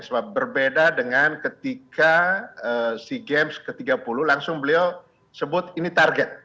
sebab berbeda dengan ketika sea games ke tiga puluh langsung beliau sebut ini target